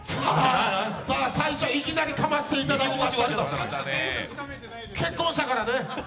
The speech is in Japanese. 最初、いきなりかましていただきましたが、結婚したからね。